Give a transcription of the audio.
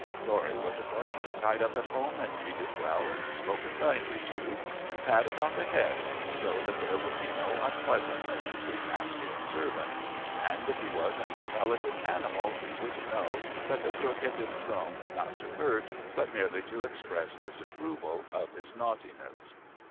Tory was accordingly tied up at home and treated well and spoken kindly to and patted on the head, so that there would be no unpleasantness between master and servant, and if he was an intelligent animal he would know that the crook had been thrown not to hurt but merely to express disapproval of his naughtiness.